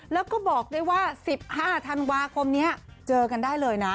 แล้วก็บอกได้ว่า๑๕ธันวาคมนี้เจอกันได้เลยนะ